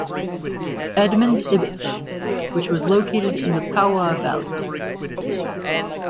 Edmund Ibbotson, which was located in the Pauoa Valley.